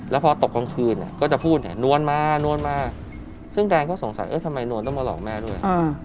แล้วพอตกกลางคืนก็จะพูดเนี่ยนวลมานวลมาซึ่งแดงก็สงสัยทำไมนวลต้องมาหลอกแม่ด้วย